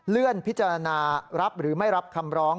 พิจารณารับหรือไม่รับคำร้อง